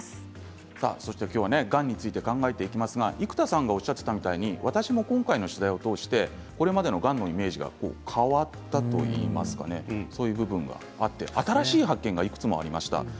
今日はがんについて考えていきますが生田さんもおっしゃってたみたいに私も今回の取材を通してこれまでのがんのイメージが変わったといいますかそういう部分があって新しい発見がいくつもありました。